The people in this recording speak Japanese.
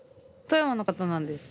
富山の方なんです。